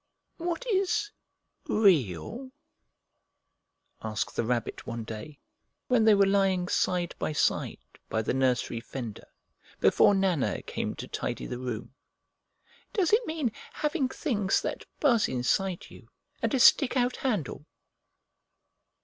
"What is REAL?" asked the Rabbit one day, when they were lying side by side near the nursery fender, before Nana came to tidy the room. "Does it mean having things that buzz inside you and a stick out handle?"